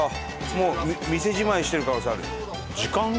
もう店じまいしてる可能性あるよ。